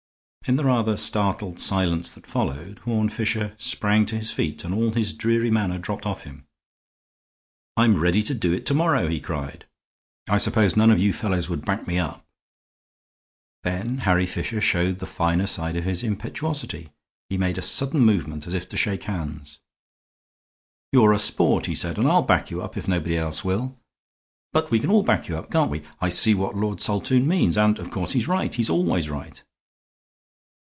In the rather startled silence that followed Horne Fisher sprang to his feet and all his dreary manner dropped off him. "I'm ready to do it to morrow," he cried. "I suppose none of you fellows would back me up." Then Harry Fisher showed the finer side of his impetuosity. He made a sudden movement as if to shake hands. "You're a sport," he said, "and I'll back you up, if nobody else will. But we can all back you up, can't we? I see what Lord Saltoun means, and, of course, he's right. He's always right."